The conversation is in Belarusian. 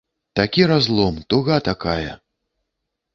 Такі разлом, туга такая!